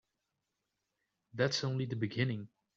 That's only the beginning.